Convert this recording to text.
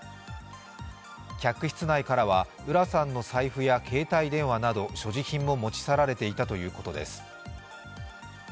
客室内からは浦さんの財布や携帯電話など所持品も持ち去られていたということです。